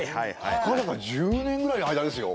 たかだか１０年ぐらいの間ですよ。